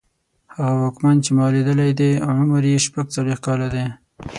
هغه واکمن چې ما لیدلی دی عمر یې شپږڅلوېښت کاله دی.